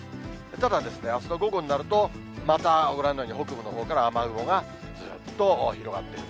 ただ、あすの午後になると、またご覧のように、北部のほうから雨雲がずっと広がってくる。